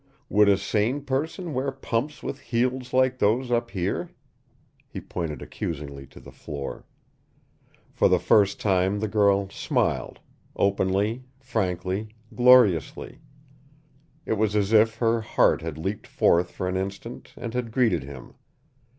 Would a sane person wear pumps with heels like those up here?" He pointed accusingly to the floor. For the first time the girl smiled, openly, frankly, gloriously. It was as if her heart had leaped forth for an instant and had greeted him.